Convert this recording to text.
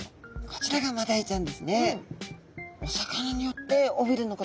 こちらがマダイちゃんですね。